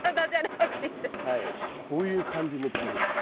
こういう感じのところです。